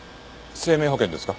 生命保険ですか？